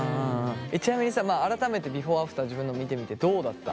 ちなみにさ改めてビフォーアフター自分の見てみてどうだった？